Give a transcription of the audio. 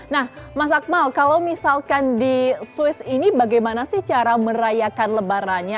nah mas akmal kalau misalkan di swiss ini bagaimana sih cara merayakan lebarannya